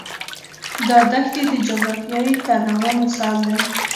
دا دښتې د جغرافیوي تنوع مثال دی.